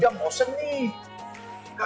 kayak nunggu jawaban dari kamu tau nggak